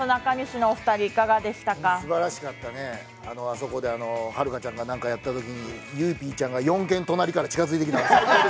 すばらしかったね、あそこではるかちゃんが何かやったときにゆいＰちゃんが４軒隣から近づいてきた。